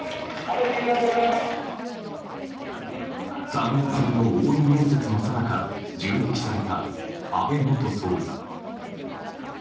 参院選の応援演説のさなか銃撃された安倍元総理。